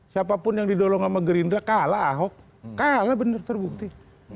siapapun yang didolong sama gerindra kalah ahok kalah benar terbukti